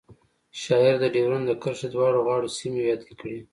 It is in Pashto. شاعر د ډیورنډ د کرښې دواړو غاړو سیمې یادې کړې